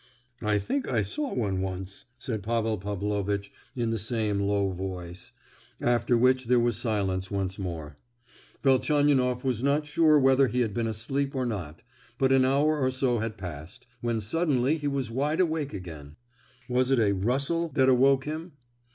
"I think I saw one once," said Pavel Pavlovitch in the same low voice; after which there was silence once more. Velchaninoff was not sure whether he had been asleep or not, but an hour or so had passed, when suddenly he was wide awake again. Was it a rustle that awoke him?